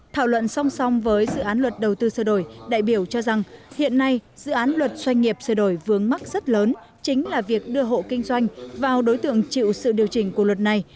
thảo luận song song với dự án luật đầu tư sửa đổi đại biểu cho rằng hiện nay dự án luật doanh nghiệp sửa đổi vướng mắc rất lớn chính là việc đưa hộ kinh doanh vào đối tượng chịu sự điều chỉnh của luật này